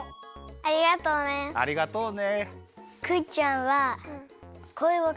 あありがとうね。